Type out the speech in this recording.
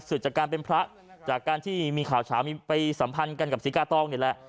เศรษฐกรรมเป็นพระจากการที่มีข่าวขาวมีไปสัมพันธ์กับสิตกาตรองนี่แหละ